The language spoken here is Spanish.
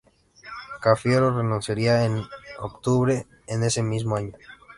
Cafiero renunciaría en octubre de ese mismo año.